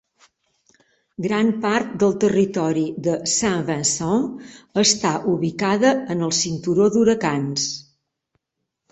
Gran part del territori de Saint Vincent està ubicada en el cinturó d'huracans.